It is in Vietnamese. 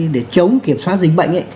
để chống kiểm soát dính bệnh